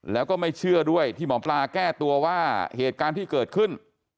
แล้วก็ไม่เชื่อด้วยที่หมอปลาแก้ตัวว่าเหตุการณ์ที่เกิดขึ้น